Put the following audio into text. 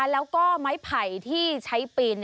แล้วก็ไม้ไผ่ที่ใช้ปีน